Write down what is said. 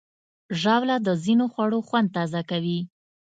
ژاوله د ځینو خوړو خوند تازه کوي.